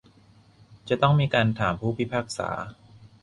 จะต้องมีการถามผู้พิพากษา